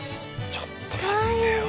ちょっと待ってよ。